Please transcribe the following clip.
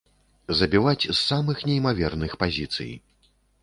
Забіваць з самых неймаверных пазіцый.